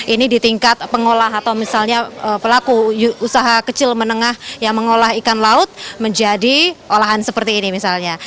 ini di tingkat pengolah atau misalnya pelaku usaha kecil menengah yang mengolah ikan laut menjadi olahan seperti ini misalnya